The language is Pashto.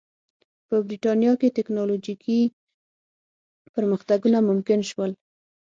په برېټانیا کې ټکنالوژیکي پرمختګونه ممکن شول.